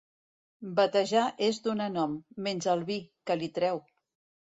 Batejar és donar nom, menys al vi, que li treu.